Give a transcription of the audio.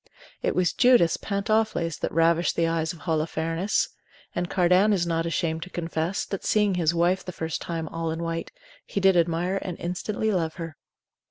It was Judith's pantofles that ravished the eyes of Holofernes. And Cardan is not ashamed to confess, that seeing his wife the first time all in white, he did admire and instantly love her.